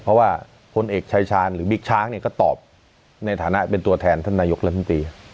เพราะว่าพลเอกชายชาญหรือบิ๊กช้างเนี่ยก็ตอบในฐานะเป็นตัวแทนท่านนายกรัฐมนตรี